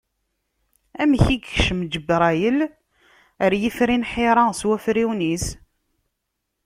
Amek yekcem Ǧebrayel ɣer yifri n Ḥira s wafriwen-is?